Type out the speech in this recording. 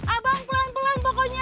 abang pelan pelan pokoknya